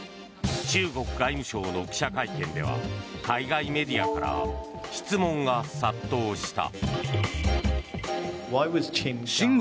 中国外務省の記者会見では海外メディアから質問が殺到した。